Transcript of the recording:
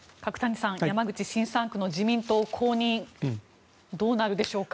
山口新３区の自民党公認はどうなるでしょうか。